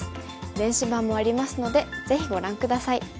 電子版もありますのでぜひご覧下さい。